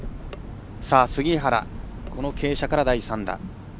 杉原、この傾斜から第３打。